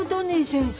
先生。